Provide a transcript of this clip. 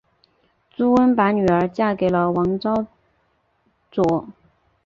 朱温把女儿嫁给了王昭祚。